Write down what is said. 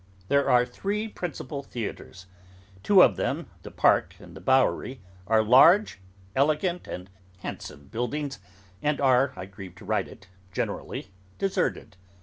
There are three principal theatres. Two of them, the Park and the Bowery, are large, elegant, and handsome buildings, and are, I grieve to write it, generally deserted.